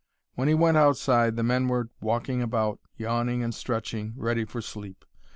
When he went outside the men were walking about, yawning and stretching, ready for sleep.